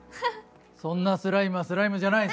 そんなスライムはスライムじゃない！